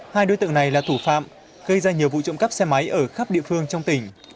hai đối tượng này là thủ phạm gây ra nhiều vụ trộm cắp xe máy ở khắp địa phương trong tỉnh